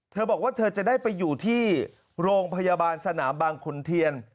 เธอบอกว่าเธอจะได้ไปอยู่ที่โรงพยาบาลสนามบางขุนเทียน